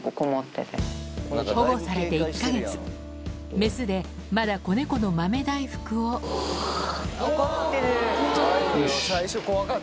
保護されて１か月メスでまだ子ネコの豆大福をよし。